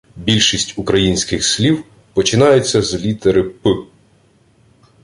Більшість українських слів починаються з літери «П»